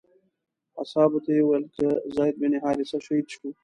اصحابو ته یې وویل که زید بن حارثه شهید شي.